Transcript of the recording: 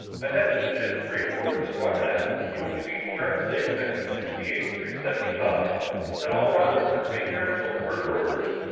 Attention, ships three and four of Squadron F you will proceed to chart six sectors sixty eight through seventy five. Cut all rockets and remain there until further orders.